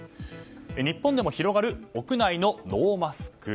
日本でも広がる屋内のノーマスク。